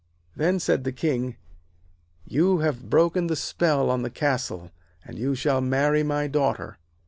Then said the King: 'You have broken the spell on the castle, and you shall marry my daughter.'